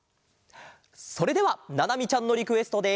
それではななみちゃんのリクエストで。